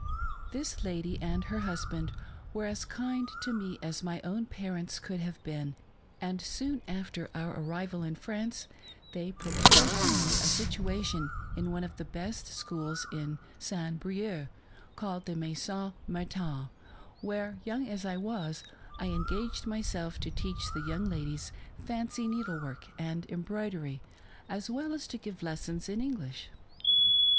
This lady and her husband were as kind to me as my own parents could have been ; and soon after our arrival in France they procured for me a situation in one of the best schools in St. Brieux, called the Maison Martin, where, young as I was, I engaged myself to teach the young ladies fancy needlework and embroidery, as well as to give lessons in English.